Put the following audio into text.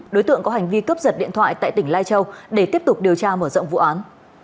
đối tượng có hành vi cướp giật điện thoại tại tỉnh lai châu để tiếp tục điều tra mở rộng vụ án